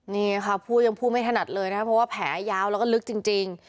นี่ค่ะผู้ยังพูดไม่ถนัดเลยนะครับเพราะว่าแผลยาวแล้วก็ลึกจริง